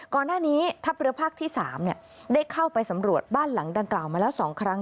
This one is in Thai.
ทัพเรือภาคที่๓ได้เข้าไปสำรวจบ้านหลังดังกล่าวมาแล้ว๒ครั้ง